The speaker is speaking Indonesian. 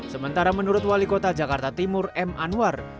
sementara menurut wali kota jakarta timur m anwar